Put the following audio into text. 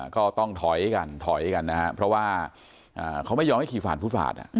ก็ต้องถอยให้กันถอยให้กันนะฮะเพราะว่าเขาไม่ยอมให้ขี่ฝาดพุทธฝาด